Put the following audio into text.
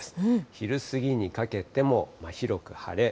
昼過ぎにかけても広く晴れ。